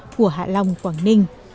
của hạ long quảng ninh